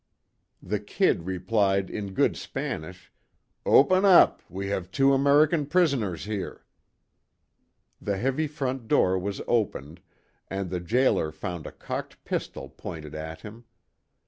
The "Kid" replied in good Spanish: "Open up, we have two American prisoners here." The heavy front door was opened, and the jailer found a cocked pistol pointed at him.